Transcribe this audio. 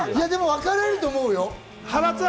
分かれると思うよ。